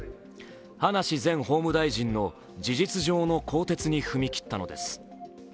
葉梨前法務大臣の事実上の更迭に踏み切ったのです。